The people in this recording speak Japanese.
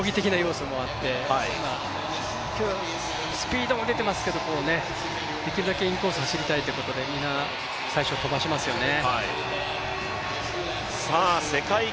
１５００ｍは格闘技的な要素もあって、スピードも出ていますけれども、できるだけインコースを走りたいということでみんな、最初飛ばしますよね。